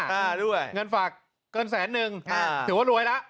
อ่าด้วยเงินฝากเกินแสนนึงอ่าถือว่ารวยแล้ว